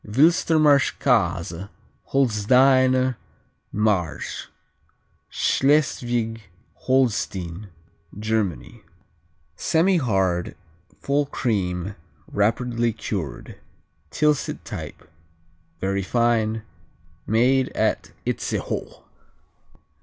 Wilstermarsch Käse Holsteiner Marsch Schleswig Holstein, Germany Semihard; full cream; rapidly cured; Tilsit type; very fine; made at Itzehoe.